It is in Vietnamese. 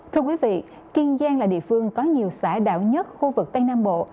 thưa quý vị kiên giang là địa phương có nhiều xã đảo nhất khu vực tây nam bộ